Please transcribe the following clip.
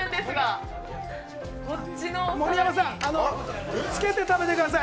盛山さんつけて食べてください。